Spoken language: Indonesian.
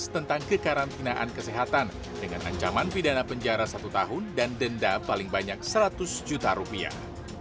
tentang kekarantinaan kesehatan dengan ancaman pidana penjara satu tahun dan denda paling banyak seratus juta rupiah